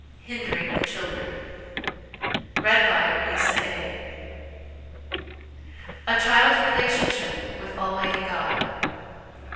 V. HINDERING THE CHILDREN A Child's Relationship with Almighty God.